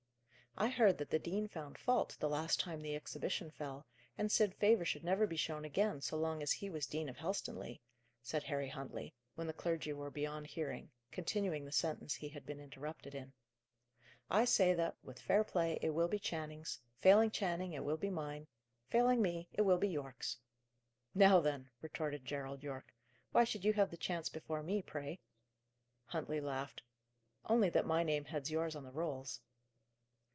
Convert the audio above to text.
"I heard that the dean found fault, the last time the exhibition fell, and said favour should never be shown again, so long as he was Dean of Helstonleigh," said Harry Huntley, when the clergy were beyond hearing, continuing the sentence he had been interrupted in. "I say that, with fair play, it will be Channing's; failing Channing, it will be mine; failing me, it will be Yorke's." "Now, then!" retorted Gerald Yorke. "Why should you have the chance before me, pray?" Huntley laughed. "Only that my name heads yours on the rolls."